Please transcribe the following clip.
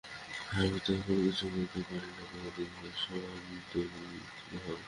আমি তো এখনও কিছুই করিতে পারি নাই, তোমাদিগকেই সব করিতে হইবে।